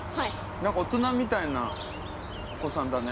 何か大人みたいなお子さんだね。